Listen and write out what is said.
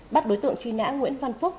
bắt đối tượng chuyên áo nguyễn văn phúc